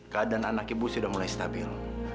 keadaan anak ibu sudah mulai stabil